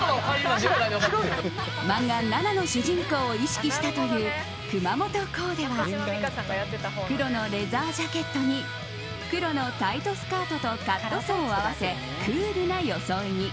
漫画「ＮＡＮＡ」の主人公を意識したという熊元コーデは黒のレザージャケットに黒のタイトスカートとカットソーを合わせクールな装いに。